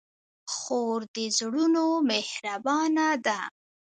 خور د زړونو مهربانه ده.